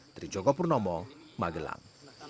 dari jogok purnomo magelang